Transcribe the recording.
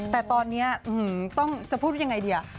แต่ตอนนี้ต้องจะพูดว่ายังไงดี